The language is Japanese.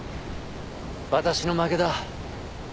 私の負けだ。